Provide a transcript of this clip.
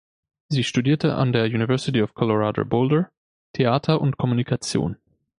Sie studierte an der University of Colorado Boulder Theater und Kommunikation.